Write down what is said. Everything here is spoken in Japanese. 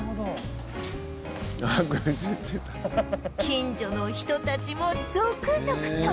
近所の人たちも続々と